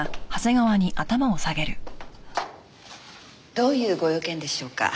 どういうご用件でしょうか？